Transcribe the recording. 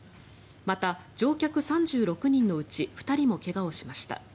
また、乗客３６人のうち２人も怪我をしました。